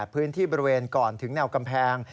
พื้นที่บริเวณก่อนถึงแนวกำแพง